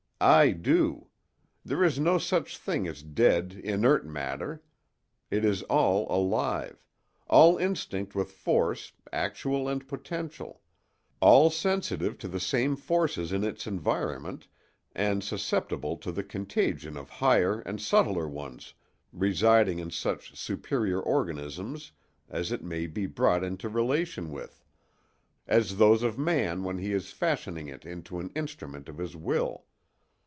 I do. There is no such thing as dead, inert matter: it is all alive; all instinct with force, actual and potential; all sensitive to the same forces in its environment and susceptible to the contagion of higher and subtler ones residing in such superior organisms as it may be brought into relation with, as those of man when he is fashioning it into an instrument of his will.